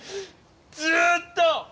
ずっと！